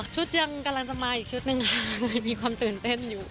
ชุดยังกำลังจะมาอีกชุดหนึ่งค่ะมันมีความตื่นเต้นอยู่